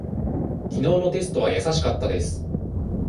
きのうのテストは易しかったです。